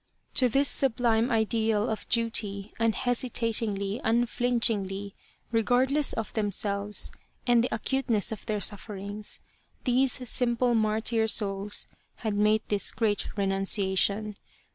To this sublime ideal of duty, unhesitatingly, unflinchingly, regardless of them selves and the acuteness of their sufferings, these simple martyr souls had made this great renunciation.